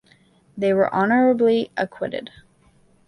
They were honourably acquitted.